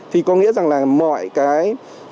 thì có nghĩa rằng là mọi cái